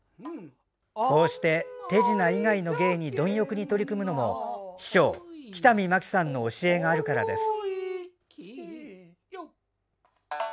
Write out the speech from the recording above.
こうして手品以外の芸に貪欲に取り組むのも師匠・北見マキさんの教えがあるからです。